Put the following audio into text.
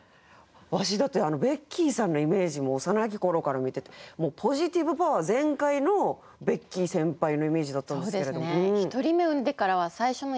わしだってベッキーさんのイメージもう幼き頃から見ててポジティブパワー全開のベッキー先輩のイメージだったんですけれど。